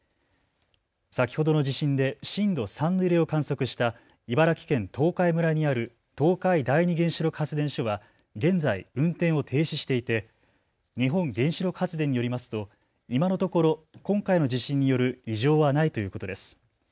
先ほどの地震で震度３の揺れを観測した茨城県東海村にある東海第二原子力発電所は現在、運転を停止していて日本原子力発電によりますと今のところ今回の地震による異常はないということです。